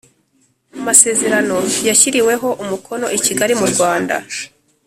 Amasezerano yashyiriweho umukono i Kigali mu Rwanda